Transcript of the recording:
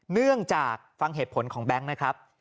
เนื่องจากฟังเหตุผลของแบงค์นะครับ